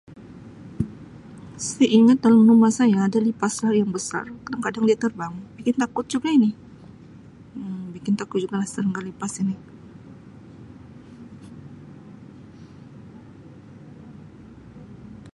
Sia ingat dalam rumah saya ada lipas paling besar. Kadang-kadang dia terbang bikin takut juga ini Um bikin takut juga lah serangga lipas ini.